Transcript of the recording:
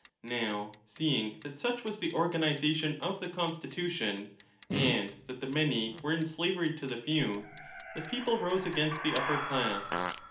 Now seeing that such was the organization of the constitution, and that the many were in slavery to the few, the people rose against the upper class.